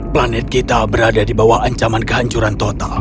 planet kita berada di bawah ancaman kehancuran total